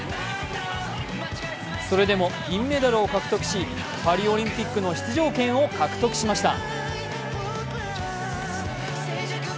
それでも銀メダルを獲得し、パリオリンピックの出場権を獲得しました。